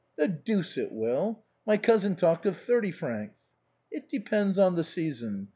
" The deuce it will ! My cousin talked of thirty francs." " It depends on the season.